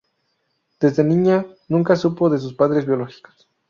Desde niña nunca supo de sus padres biológicos.